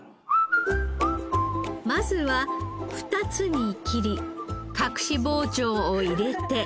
まずは２つに切り隠し包丁を入れて。